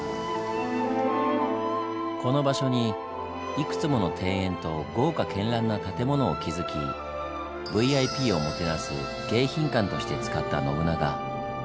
この場所にいくつもの庭園と豪華絢爛な建物を築きＶＩＰをもてなす迎賓館として使った信長。